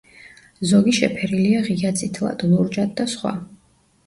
ზოგი შეფერილია ღია წითლად, ლურჯად და სხვა.